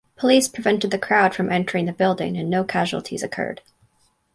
Police prevented the crowd from entering the building and no casualties occurred.